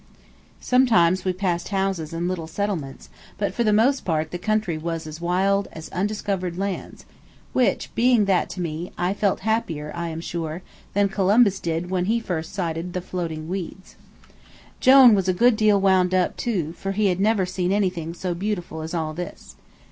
Sometimes we passed houses and little settlements, but, for the most part, the country was as wild as undiscovered lands, which, being that to me, I felt happier, I am sure, than Columbus did when he first sighted floating weeds. Jone was a good deal wound up too, for he had never seen anything so beautiful as all this.